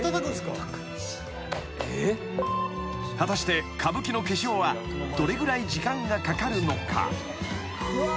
［果たして歌舞伎の化粧はどれぐらい時間がかかるのか？］